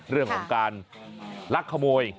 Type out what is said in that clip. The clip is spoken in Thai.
เรื่องของการลักขโมย